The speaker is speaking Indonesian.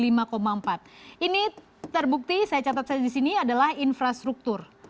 ini terbukti saya catat saja di sini adalah infrastruktur